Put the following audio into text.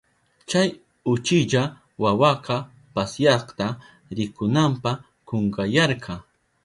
Chay uchilla wawaka pasyakta rikunanpa kunkayarka.